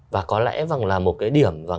và có lẽ là một điểm